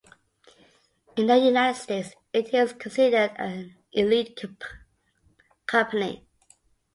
In the United States it is considered an "elite" company.